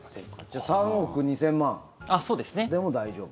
じゃあ３億２０００万でも大丈夫？